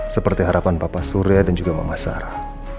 seperti harapan bapak surya dan juga mama sarah